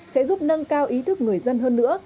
sẽ giúp nâng cao ý thức người dân hơn nữa